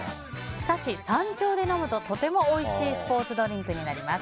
しかし、山頂で飲むととてもおいしいスポーツドリンクになります。